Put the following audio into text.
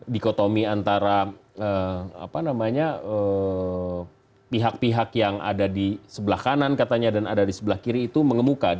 dikotomi antara pihak pihak yang ada di sebelah kanan katanya dan ada di sebelah kiri itu mengemuka